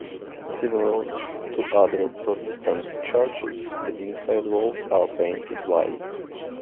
Similar to other Protestant churches, the inside walls are painted white.